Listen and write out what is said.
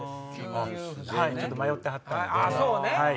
ちょっと迷ってはったんで。